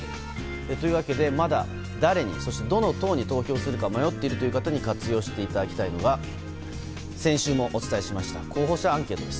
というわけで、まだ誰にどの党に投票するか迷っているという方に活用していただきたいのが先週もお伝えしました候補者アンケートです。